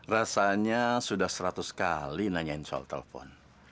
rasanya sudah seratus kali nanyain soal telepon